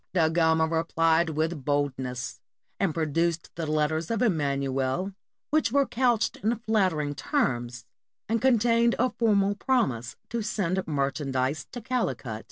Da Gama replied with boldness, and produced the letters of Emmanuel, which were couched in flattering terms, and contained a formal promise to send merchandise to CaHcut.